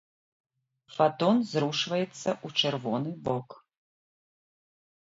Фатон зрушваецца ў чырвоны бок.